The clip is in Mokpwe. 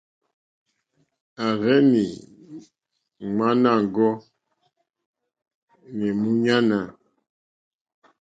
À rzɛ́nɛ̀ ŋmánà ŋɡó ǃéní múɲánà,.